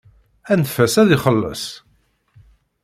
Anef-as ad ixelleṣ.